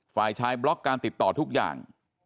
ฝ่ายชายบล็อกการติดต่อทุกอย่าง